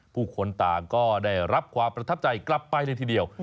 ผู้คนต่างก็ได้รับความประทับใจกลับไปเลยทีเดียว